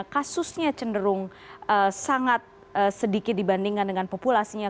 kasusnya cenderung sangat sedikit dibandingkan dengan populasinya